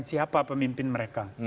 siapa pemimpin mereka